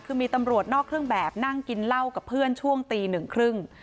คือมีตำรวจนอกเครื่องแบบนั่งกินเหล้ากับเพื่อนช่วงตีหนึ่งครึ่ง